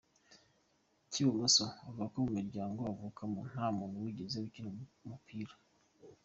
k’ibumoso, avuga ko mu muryango avukamo nta muntu wigeze ukina umupira